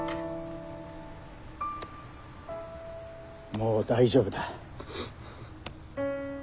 もう大丈夫だ。